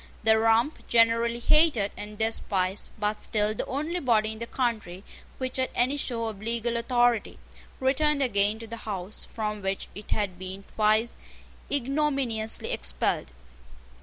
The Rump, generally hated and despised, but still the only body in the country which had any show of legal authority, returned again to the house from which it had been twice ignominiously expelled.